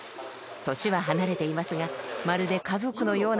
年は離れていますがまるで家族のような雰囲気。